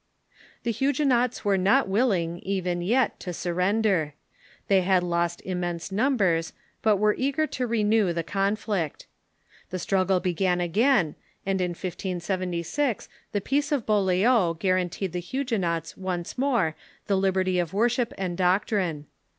The Huguenots Avere not willing, even yet, to surrender. They had lost immense numbers, but were eager to renew the conflict. The struafffle besran a^ain, and in 1576 the UD^Hsina ^^^^^®^^ Beaulieu guaranteed the Huguenots once more the liberty of worship and doctrine.